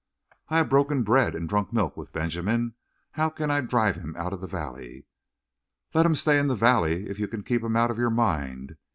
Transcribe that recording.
"I have broken bread and drunk milk with Benjamin. How can I drive him out of the valley?" "Let him stay in the valley if you can keep him out of your mind.